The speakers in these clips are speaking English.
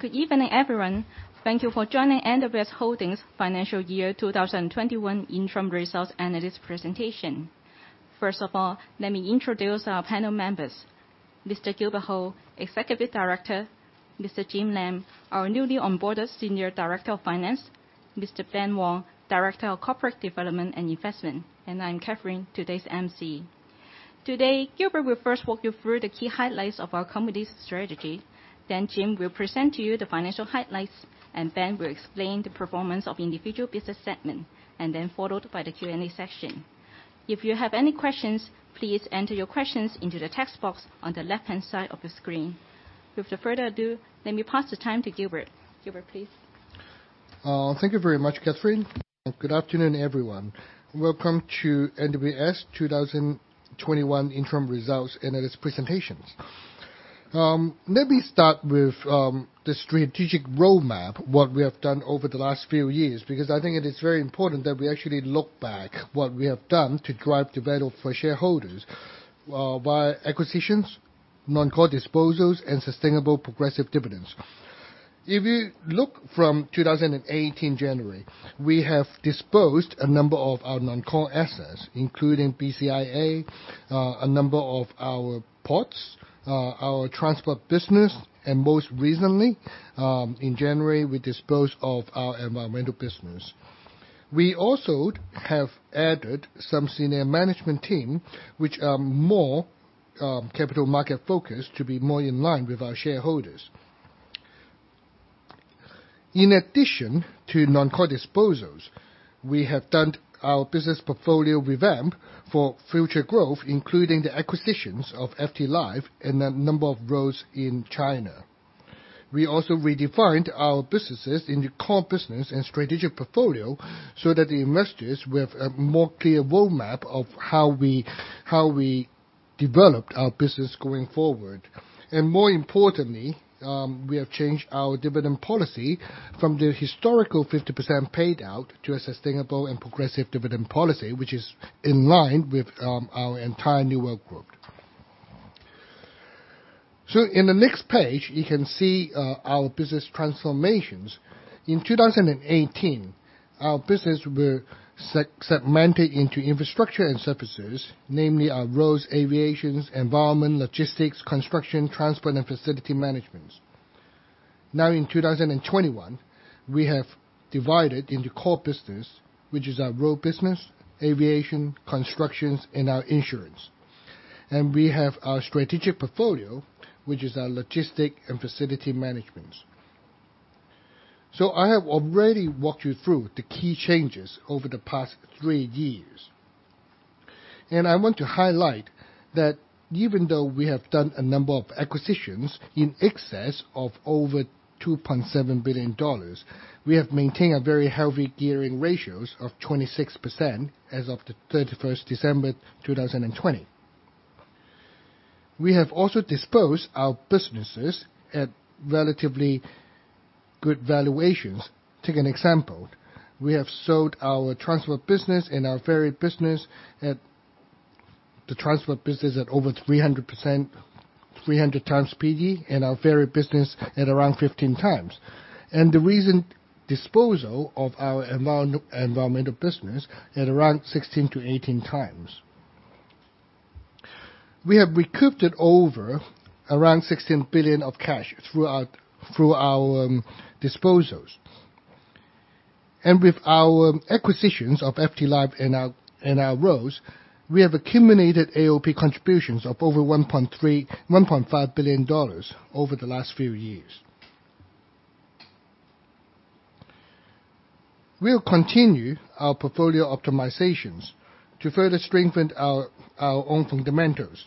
Good evening, everyone. Thank you for joining NWS Holdings Financial Year 2021 interim results analysis presentation. First of all, let me introduce our panel members. Mr. Gilbert Ho, Executive Director. Mr. Jim Lam, our newly onboarded Senior Director of Finance. Mr. Ben Wong, Director of Corporate Development and Investment. I'm Catherine, today's emcee. Today, Gilbert will first walk you through the key highlights of our company's strategy, then Jim will present to you the financial highlights, and Ben will explain the performance of individual business segment, and then followed by the Q&A session. If you have any questions, please enter your questions into the text box on the left-hand side of the screen. With the further ado, let me pass the time to Gilbert. Gilbert, please. Thank you very much, Catherine, and good afternoon, everyone. Welcome to NWS 2021 interim results analysis presentations. Let me start with the strategic roadmap, and what we have done over the last few years, because I think it is very important that we actually look back what we have done to drive the value for shareholders via acquisitions, non-core disposals, and sustainable progressive dividends. If you look from 2018, January, we have disposed a number of our non-core assets, including BCIA, a number of our ports, our transport business, and most recently, in January, we disposed of our environmental business. We also have added some senior management team which are more capital market-focused to be more in line with our shareholders. In addition to non-core disposals, we have done our business portfolio revamp for future growth, including the acquisitions of FTLife and a number of roads in China. We also redefined our businesses in the core business and strategic portfolio so that the investors will have a more clear roadmap of how we developed our business going forward, and more importantly, we have changed our dividend policy from the historical 50% paid out to a sustainable and progressive dividend policy, which is in line with our entire New World Group. In the next page, you can see our business transformations. In 2018, our businesses were segmented into infrastructure and services, namely our roads, aviation, environment, logistics, construction, transport, and facility management. Now, in 2021, we have divided into core business, which is our road business, aviation, construction, and our insurance. We have our strategic portfolio, which is our logistics and facility management. I have already walked you through the key changes over the past three years. I want to highlight that even though we have done a number of acquisitions in excess of over 2.7 billion dollars, we have maintained a very healthy gearing ratios of 26% as of the 31st December 2020. We have also disposed our businesses at relatively good valuations. Take an example, we have sold our transport business and our ferry business at over 300%, 300x PE, and our ferry business at around 15x, and the recent disposal of our environmental business at around 16x to 18x. We have recouped over around 16 billion of cash through our disposals, and with our acquisitions of FTLife and our roads, we have accumulated AOP contributions of over 1.5 billion dollars over the last few years. We'll continue our portfolio optimizations to further strengthen our own fundamentals.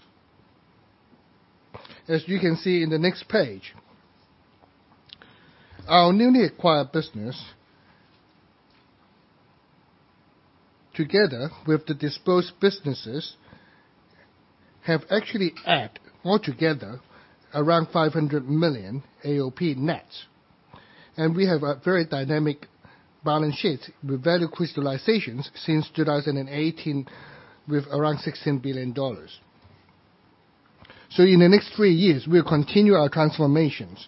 As you can see in the next page, our newly acquired business, together with the disposed businesses, have actually add altogether around 500 million AOP nets, and we have a very dynamic balance sheet with value crystallizations since 2018 with around 16 billion dollars. In the next three years, we'll continue our transformations.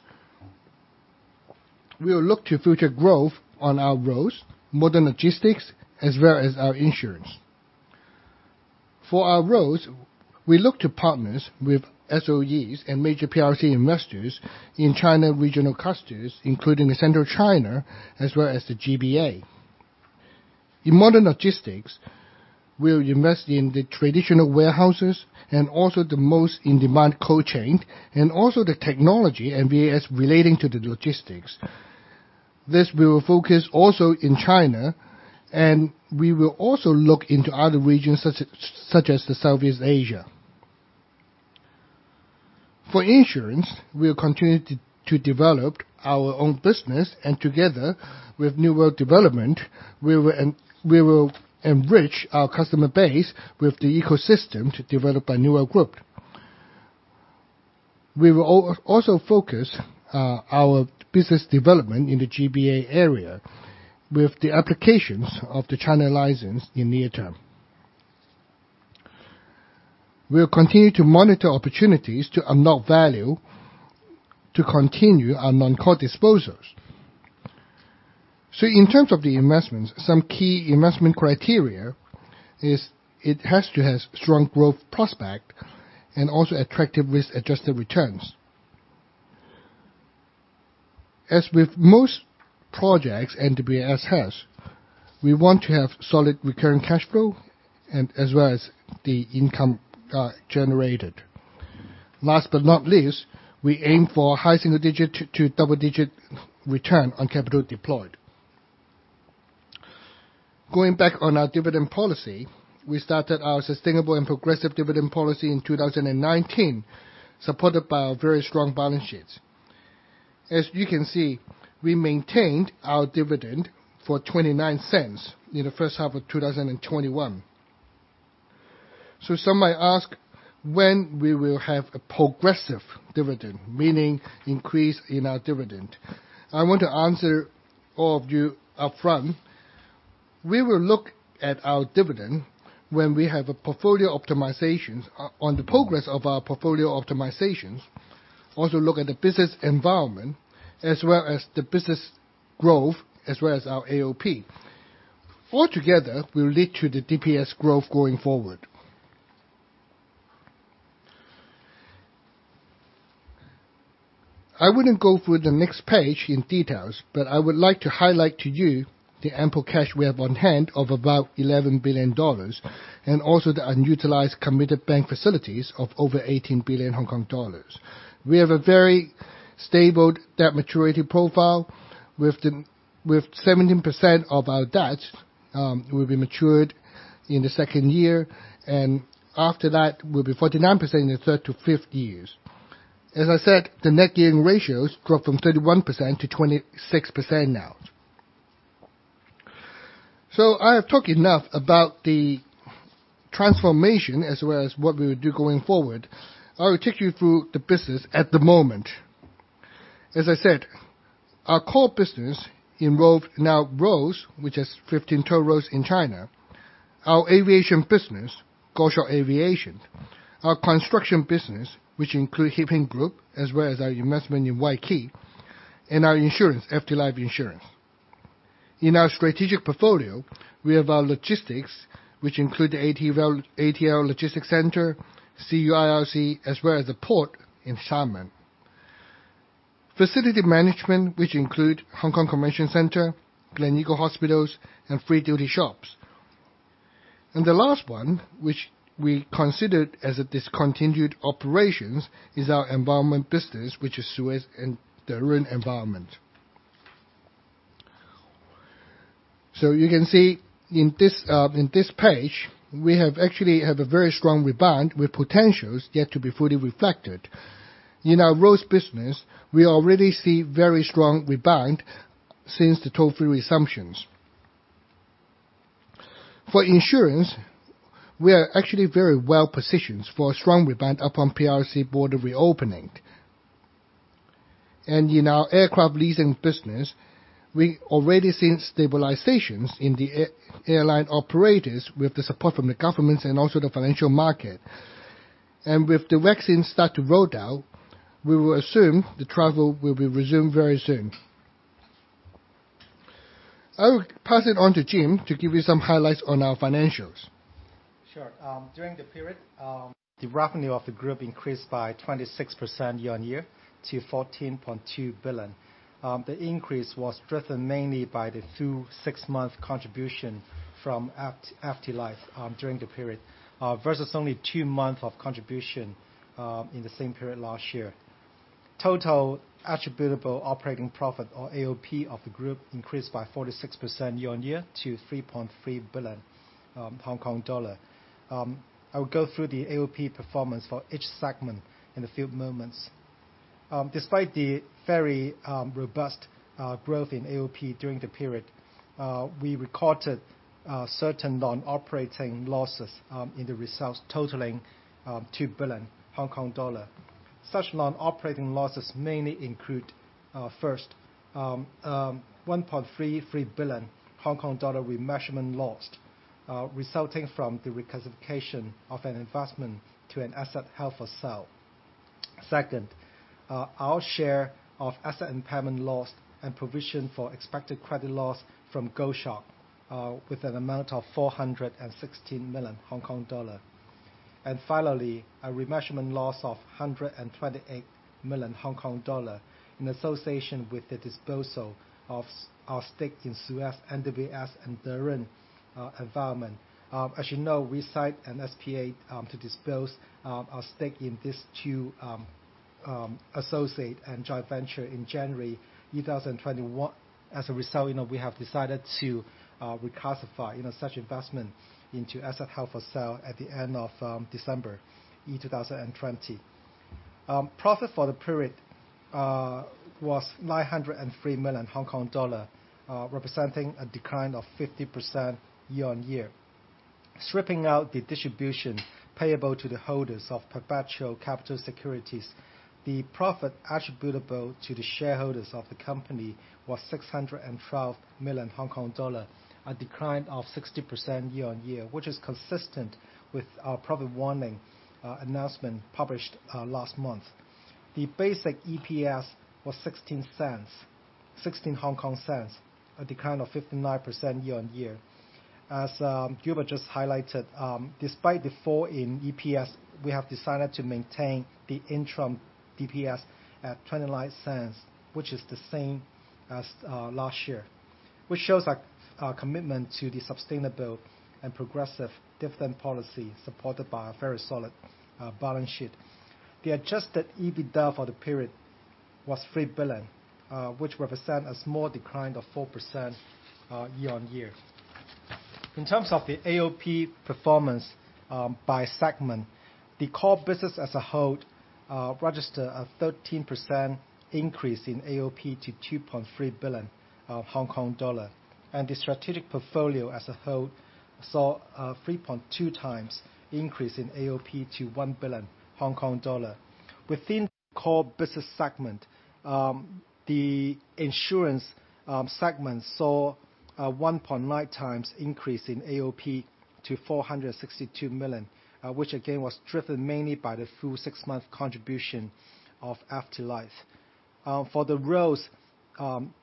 We'll look to future growth on our roads, modern logistics, as well as our insurance. For our roads, we look to partners with SOEs and major PRC investors in China regional clusters, including the Central China, as well as the GBA. In modern logistics, we'll invest in the traditional warehouses and also the most in-demand cold chain, and also the technology and NWS relating to the logistics. This we will focus also in China and we will also look into other regions such as the Southeast Asia. For insurance, we'll continue to develop our own business, and together with New World Development, we will enrich our customer base with the ecosystem to develop a New World Group. We will also focus our business development in the GBA area with the applications of the China license in near term. We'll continue to monitor opportunities to unlock value to continue our non-core disposals. In terms of the investments, some key investment criteria is it has to have strong growth prospect and also attractive risk-adjusted returns. As with most projects NWS has, we want to have solid recurring cash flow and as well as the income generated. Last but not least, we aim for high single-digit to double-digit return on capital deployed. Going back on our dividend policy, we started our sustainable and progressive dividend policy in 2019, supported by our very strong balance sheets. As you can see, we maintained our dividend for 0.29 in the first half of 2021. Some might ask when we will have a progressive dividend, meaning increase in our dividend. I want to answer all of you up front. We will look at our dividend when we have a portfolio optimizations, on the progress of our portfolio optimizations, also look at the business environment, as well as the business growth, as well as our AOP. All together will lead to the DPS growth going forward. I wouldn't go through the next page in details, but I would like to highlight to you the ample cash we have on hand of about 11 billion dollars, and also the unutilized committed bank facilities of over 18 billion Hong Kong dollars. We have a very stable debt maturity profile with 17% of our debt will be matured in the second year, and after that will be 49% in the third to fifth years. As I said, the net gearing ratios dropped from 31% to 26% now. I have talked enough about the transformation as well as what we will do going forward. I will take you through the business at the moment. As I said, our core business involve now roads, which has 15 toll roads in China. Our aviation business, Goshawk Aviation, our construction business, which include Hip Hing Group, as well as our investment in Wai Kee, and our insurance, FTLife Insurance. In our strategic portfolio, we have our logistics, which include the ATL Logistics Centre, CUIRC, as well as a port in Xiamen. Facility management, which include Hong Kong Convention Centre, Gleneagles Hospitals, and Free Duty shops. The last one, which we considered as a discontinued operations, is our environment business, which is SUEZ and Derun Environment. You can see in this page, we actually have a very strong rebound with potentials yet to be fully reflected. In our roads business, we already see very strong rebound since the toll-free resumptions. For insurance, we are actually very well positioned for a strong rebound upon PRC border reopening. In our aircraft leasing business, we already seen stabilizations in the airline operators with the support from the governments and also the financial market. With the vaccine start to roll out, we will assume the travel will be resumed very soon. I will pass it on to Jim to give you some highlights on our financials. Sure. During the period, the revenue of the group increased by 26% year-over-year to HKD 14.2 billion. The increase was driven mainly by the full six-month contribution from FTLife during the period versus only two months of contribution in the same period last year. Total attributable operating profit or AOP of the group increased by 46% year-over-year to HKD 3.3 billion. I will go through the AOP performance for each segment in a few moments. Despite the very robust growth in AOP during the period, we recorded certain non-operating losses in the results totaling 2 billion Hong Kong dollar. Such non-operating losses mainly include, first, 1.33 billion Hong Kong dollar remeasurement lost resulting from the reclassification of an investment to an asset held for sale. Second, our share of asset impairment loss and provision for expected credit loss from Goshawk with an amount of 416 million Hong Kong dollar. Finally, a remeasurement loss of 128 million Hong Kong dollar in association with the disposal of our stake in SUEZ NWS, and Derun Environment. As you know, we signed an SPA to dispose our stake in these two associate and joint venture in January 2021. As a result, we have decided to reclassify, you know, such investment into asset held for sale at the end of December in 2020. Profit for the period was 903 million Hong Kong dollar representing a decline of 50% year-on-year. Stripping out the distribution payable to the holders of perpetual capital securities, the profit attributable to the shareholders of the company was HKD 612 million, a decline of 60% year-on-year, which is consistent with our profit warning announcement published last month. The basic EPS was HKD 0.16, a decline of 59% year-on-year. As Gilbert just highlighted, despite the fall in EPS, we have decided to maintain the interim DPS at 0.29, which is the same as last year, which shows our commitment to the sustainable and progressive dividend policy, supported by a very solid balance sheet. The adjusted EBITDA for the period was 3 billion, which represent a small decline of 4% year-on-year. In terms of the AOP performance by segment, the core business as a whole registered a 13% increase in AOP to 2.3 billion Hong Kong dollar, and the strategic portfolio as a whole saw a 3.2x increase in AOP to 1 billion Hong Kong dollar. Within core business segment, the insurance segment saw a 1.9x increase in AOP to 462 million, which again, was driven mainly by the full six-month contribution of FTLife. For the roads,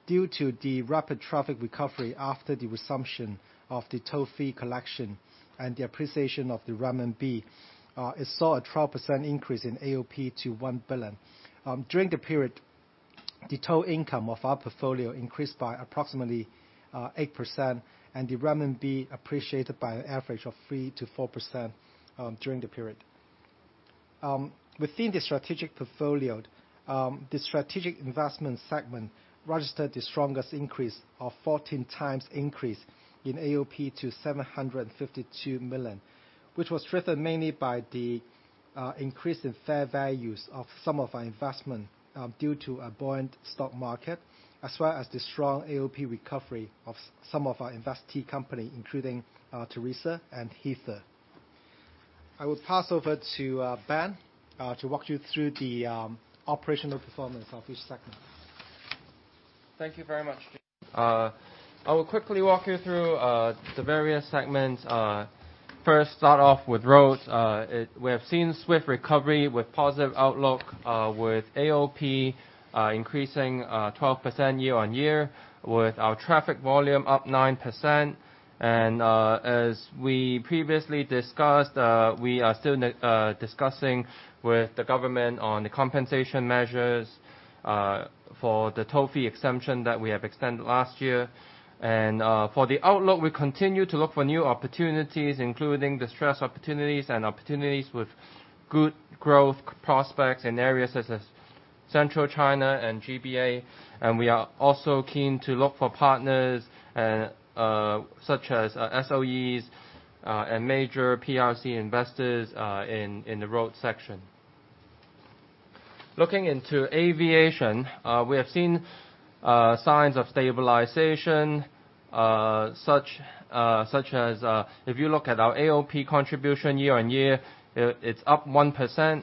due to the rapid traffic recovery after the resumption of the toll fee collection and the appreciation of the renminbi, it saw a 12% increase in AOP to 1 billion. During the period, the toll income of our portfolio increased by approximately 8%, and the renminbi appreciated by an average of 3% to 4% during the period. Within the strategic portfolio, the strategic investment segment registered the strongest increase of 14x increase in AOP to 752 million. Which was driven mainly by the increase in fair values of some of our investment due to a buoyant stock market, as well as the strong AOP recovery of some of our investee company, including Derun and Haitong. I will pass over to Ben to walk you through the operational performance of each segment. Thank you very much. I will quickly walk you through the various segments. First, start off with roads. We have seen swift recovery with positive outlook, with AOP increasing 12% year-on-year, with our traffic volume up 9%. As we previously discussed, we are still discussing with the government on the compensation measures for the toll fee exemption that we have extended last year. For the outlook, we continue to look for new opportunities, including distressed opportunities and opportunities with good growth prospects in areas such as Central China and GBA, and we are also keen to look for partners such as SOEs and major PRC investors in the road section. Looking into aviation, we have seen signs of stabilization, such as if you look at our AOP contribution year-on-year, it's up 1%.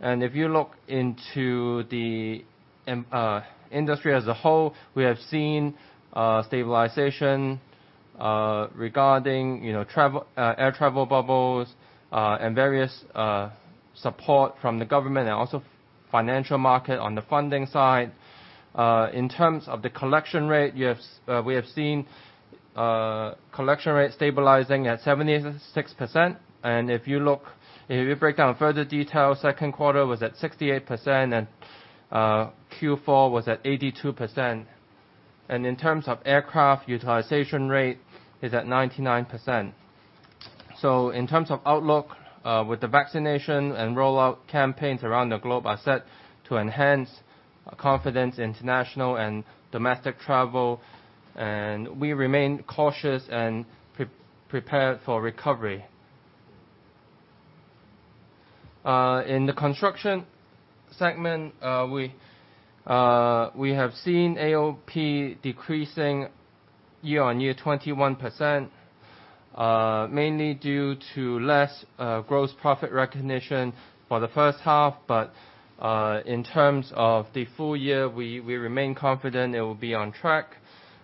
If you look into the industry as a whole, we have seen stabilization regarding air travel bubbles and various support from the government and also financial market on the funding side. In terms of the collection rate, we have seen collection rate stabilizing at 76%. If you break down further detail, second quarter was at 68%, and Q4 was at 82%. In terms of aircraft utilization rate, is at 99%. In terms of outlook, with the vaccination and rollout campaigns around the globe are set to enhance confidence in international and domestic travel, and we remain cautious and prepared for recovery. In the construction segment, we have seen AOP decreasing year-on-year, 21%, mainly due to less gross profit recognition for the first half. In terms of the full-year, we remain confident it will be on track.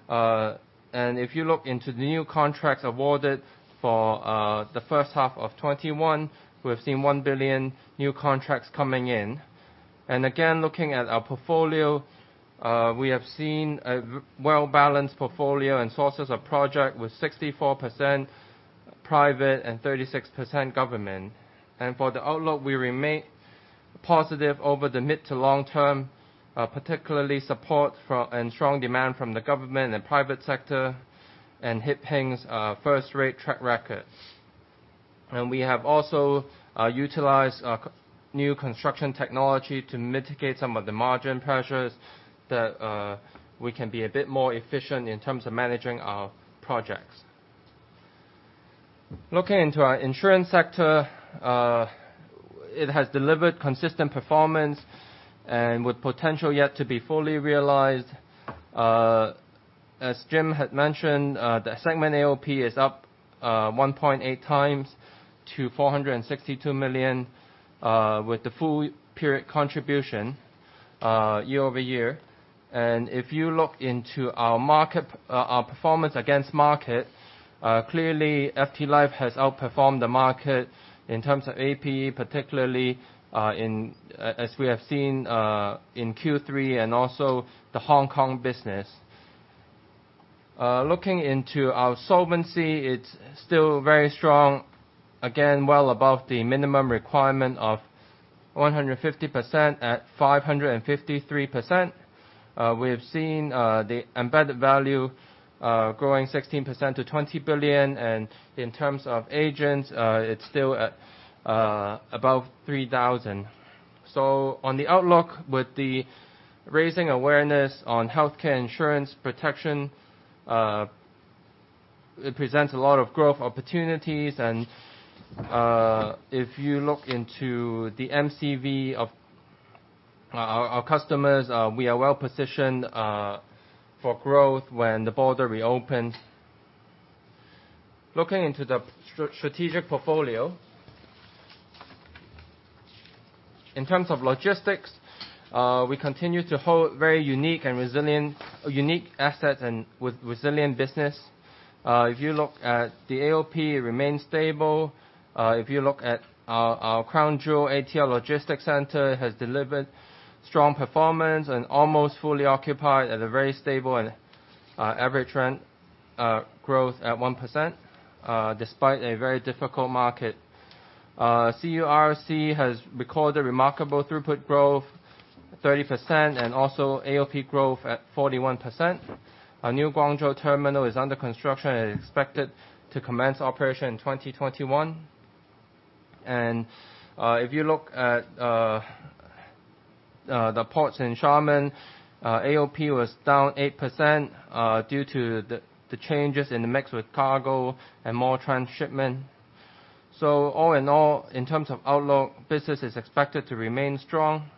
If you look into the new contracts awarded for the first half of 2021, we have seen 1 billion new contracts coming in. Again, looking at our portfolio, we have seen a well-balanced portfolio and sources of project with 64% private and 36% government. For the outlook, we remain positive over the mid to long term, particularly support and strong demand from the government and private sector, and Hip Hing's first-rate track record. We have also utilized new construction technology to mitigate some of the margin pressures that we can be a bit more efficient in terms of managing our projects. Looking into our insurance sector, it has delivered consistent performance, and with potential yet to be fully realized. As Jim had mentioned, the segment AOP is up 1.8x to 462 million with the full period contribution year-over-year. If you look into our performance against market, clearly, FTLife has outperformed the market in terms of APE, particularly as we have seen in Q3, and also the Hong Kong business. Looking into our solvency, it's still very strong. Again, well above the minimum requirement of 150% at 553%. We have seen the embedded value growing 16% to 20 billion, and in terms of agents, it's still above 3,000. On the outlook, with the raising awareness on healthcare insurance protection, it presents a lot of growth opportunities, and if you look into the MCV of our customers, we are well positioned for growth when the border reopens. Looking into the strategic portfolio, in terms of logistics, we continue to hold very unique asset and with resilient business. If you look at the AOP, it remains stable. If you look at our crown jewel, ATL Logistics Centre, has delivered strong performance and almost fully occupied at a very stable and average trend growth at 1%, despite a very difficult market. CUIRC has recorded remarkable throughput growth, 30%, also AOP growth at 41%. Our new Guangzhou terminal is under construction and is expected to commence operation in 2021. If you look at the ports in Xiamen, AOP was down 8% due to the changes in the mix with cargo and more transshipment. All in all, in terms of outlook, business is expected to remain strong.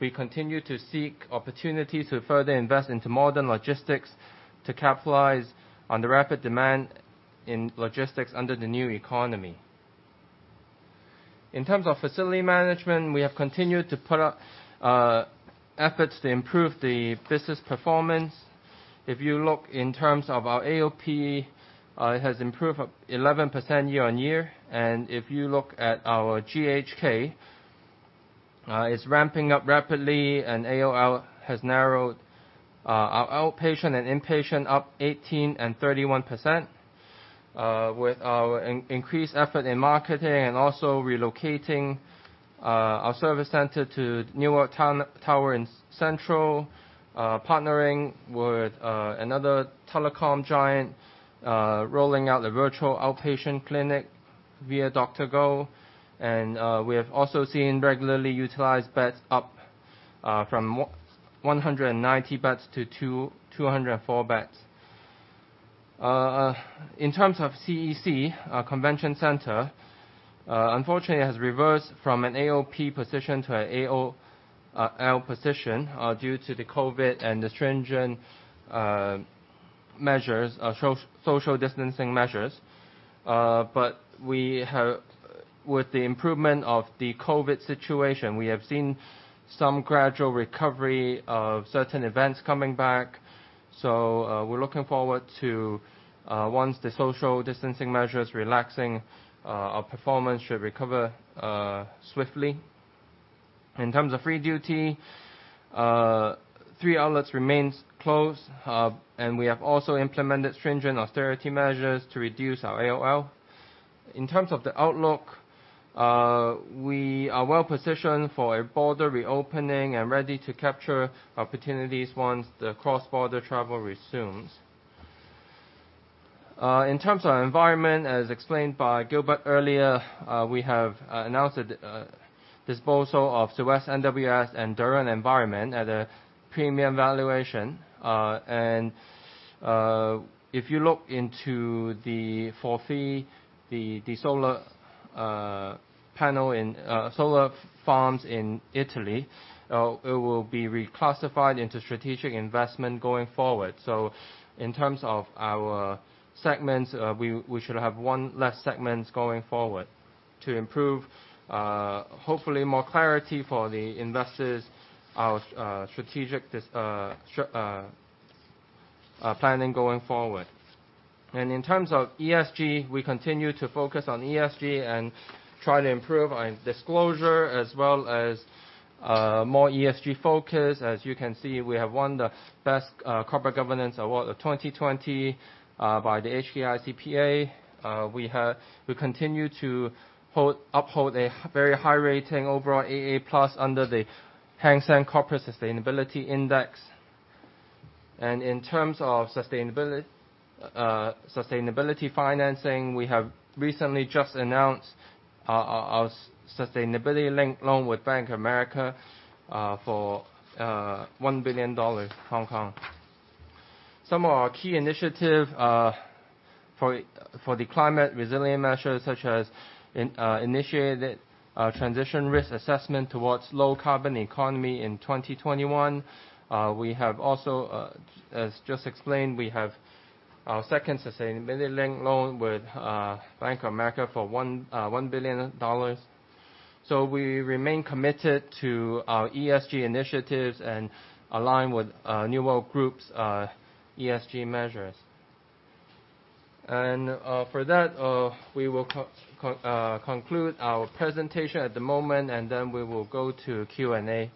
We continue to seek opportunities to further invest into modern logistics to capitalize on the rapid demand in logistics under the new economy. In terms of facility management, we have continued to put up efforts to improve the business performance. If you look in terms of our AOP, it has improved 11% year-on-year. If you look at our GHK, it's ramping up rapidly and AOL has narrowed. Our outpatient and inpatient up 18% and 31% with our increased effort in marketing, and also relocating our service center to New World Tower in Central, partnering with another telecom giant rolling out the virtual outpatient clinic via DrGo. We have also seen regularly utilized beds up from 190 beds to 204 beds. In terms of CEC, our convention center, unfortunately, has reversed from an AOP position to an AOL position due to the COVID and the stringent social distancing measures. With the improvement of the COVID situation, we have seen some gradual recovery of certain events coming back. We're looking forward to once the social distancing measures relaxing, our performance should recover swiftly. In terms of Free Duty, three outlets remains closed, and we have also implemented stringent austerity measures to reduce our AOL. In terms of the outlook, we are well positioned for a border reopening and ready to capture opportunities once the cross-border travel resumes. In terms of environment, as explained by Gilbert earlier, we have announced the disposal of SUEZ NWS and Derun Environment at a premium valuation. If you look into the ForVEI, the solar farms in Italy, it will be reclassified into strategic investment going forward. In terms of our segments, we should have one less segment going forward to improve, hopefully more clarity for the investors, our strategic planning going forward. In terms of ESG, we continue to focus on ESG and try to improve on disclosure as well as more ESG focus. As you can see, we have won the Best Corporate Governance Award of 2020 by the HKICPA. We continue to uphold a very high rating overall, AA plus under the Hang Seng Corporate Sustainability Index. In terms of sustainability financing, we have recently just announced our sustainability-linked loan with Bank of America for 1 billion Hong Kong dollars. Some of our key initiative for the climate resilience measures such as initiated transition risk assessment towards low carbon economy in 2021. We have also, as just explained, we have our second sustainability-linked loan with Bank of America for 1 billion dollars. We remain committed to our ESG initiatives and align with New World Group's ESG measures. For that, we will conclude our presentation at the moment, and then we will go to Q&A.